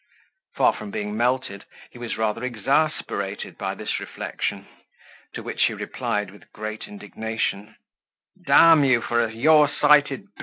Far from being melted, he was rather exasperated by this reflection; to which he replied with great indignation, "D you for a yaw sighted b